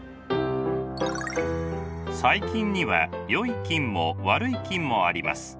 細菌にはよい菌も悪い菌もあります。